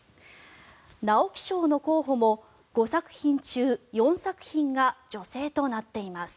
直木賞の候補も５作品中４作品が女性となっています。